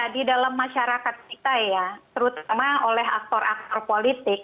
di dalam masyarakat kita ya terutama oleh aktor aktor politik